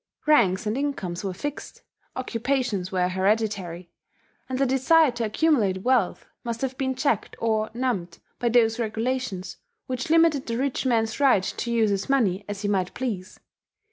Ranks and incomes were fixed; occupations were hereditary; and the desire to accumulate wealth must have been checked or numbed by those regulations which limited the rich man's right to use his money as he might please.